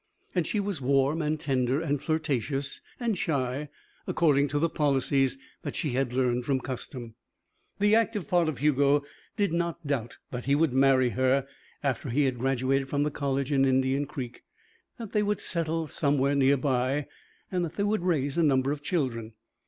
And she was warm and tender and flirtatious and shy according to the policies that she had learned from custom. The active part of Hugo did not doubt that he would marry her after he had graduated from the college in Indian Creek, that they would settle somewhere near by, and that they would raise a number of children.